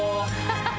・ハハハ！